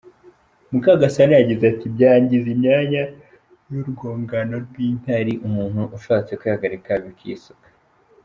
Mukagasana yagize ati ”Byangiza imyanya y’urwungano rw’inkari umuntu ushatse kwihagarika bikisuka.